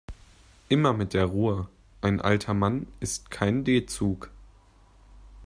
Immer mit der Ruhe, ein alter Mann ist kein D-Zug.